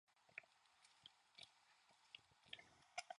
It was built by the National Youth Administration.